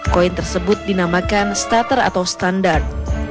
koin tersebut dinamakan stater atau standar